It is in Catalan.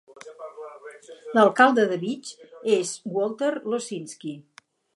L'alcalde de Beach és Walter Losinski.